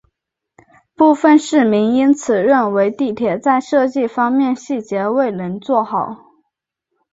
部分市民因此认为地铁在设计方面细节未能做好。